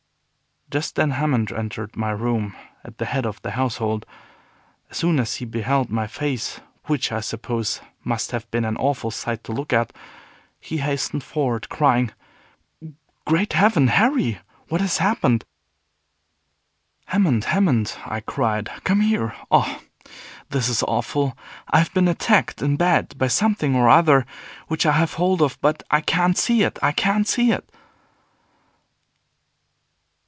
Just then Hammond entered my room at the head of the household. As soon as he beheld my face which, I suppose, must have been an awful sight to look at he hastened forward, crying, "Great heaven, Harry! what has happened?" "Hammond! Hammond!" I cried, "come here. O, this is awful! I have been attacked in bed by something or other, which I have hold of; but I can't see it, I can't see it!"